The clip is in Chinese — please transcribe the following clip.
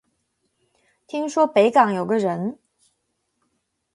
听说北港有个人